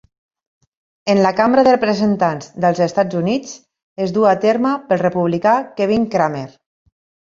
En la cambra de representants dels Estats Units es dur a terme pel republicà Kevin Cramer.